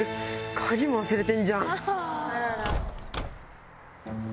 鍵も忘れてんじゃん。